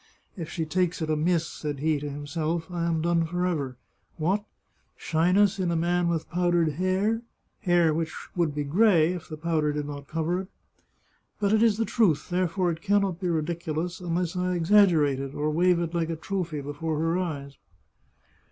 " If she takes it amiss," said he to himself, " I am done for forever ! What 1 Shyness in a 104 The Chartreuse of Parma man with powdered hair — hair which would be gray if the powder did not cover it! But it is the truth, therefore it can not be ridiculous unless I exaggerate it, or wave it like a trophy before her eyes."